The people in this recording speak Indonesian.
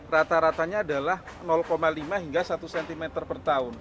rata ratanya adalah lima hingga satu cm per tahun